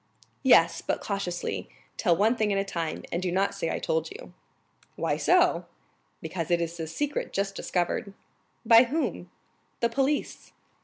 "Yes, but cautiously, tell one thing at a time, and do not say I told you." "Why so?" "Because it is a secret just discovered." "By whom?" "The police."